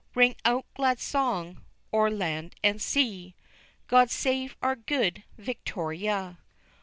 Ring out glad song o'er land and sea: God save our Good Victoria!